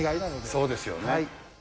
そうですよね。